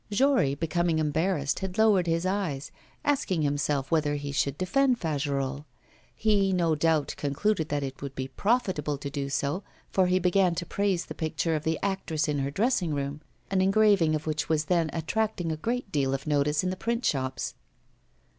Jory, becoming embarrassed, had lowered his eyes, asking himself whether he should defend Fagerolles. He, no doubt, concluded that it would be profitable to do so, for he began to praise the picture of the actress in her dressing room, an engraving of which was then attracting a great deal of notice in the print shops.